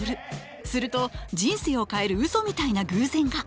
すると人生を変えるうそみたいな偶然が！